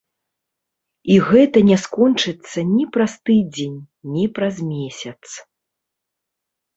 І гэта не скончыцца ні праз тыдзень, ні праз месяц.